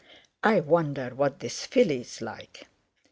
I wonder what this filly's like?"